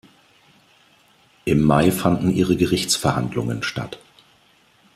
Im Mai fanden ihre Gerichtsverhandlungen statt.